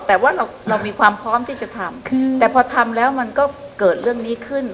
แต่ว่าเรามีความพร้อมที่จะทำแต่พอทำแล้วมันก็เกิดเรื่องนี้ขึ้น